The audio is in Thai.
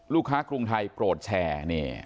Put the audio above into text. ลูกค้ากรุงไทยโปรดแชร์เนี่ย